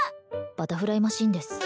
バタフライマシンです